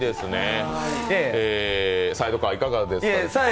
サイドカー、いかがですか？